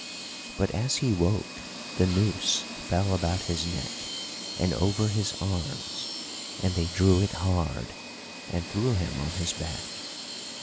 But as he woke the noose fell about his neck and over his arms and they drew it hard, and threw him on his back.